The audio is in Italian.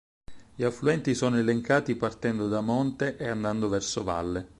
Gli affluenti sono elencati partendo da monte e andando verso valle.